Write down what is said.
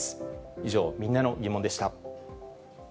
以上、みんなのギモンでした。